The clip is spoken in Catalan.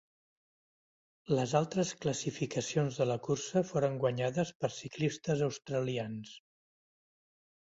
Les altres classificacions de la cursa foren guanyades per ciclistes australians.